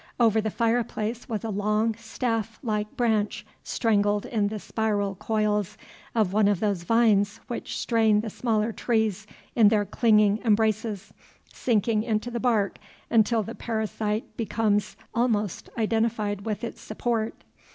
Over the fireplace was a long, staff like branch, strangled in the spiral coils of one of those vines which strain the smaller trees in their clinging embraces, sinking into the bark until the parasite becomes almost identified with its support.